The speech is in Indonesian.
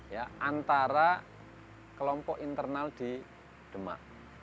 ya antara kelompok internal di demak